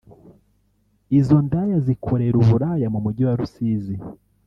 Izo ndaya zikorera uburaya mu Mujyi wa Rusizi